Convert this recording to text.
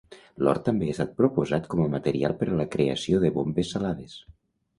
L'or també ha estat proposat com a material per a la creació de bombes salades.